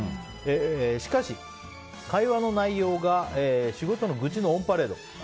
しかし、会話の内容が仕事の愚痴のオンパレード。